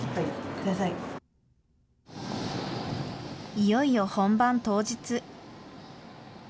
いよいよ本番当日。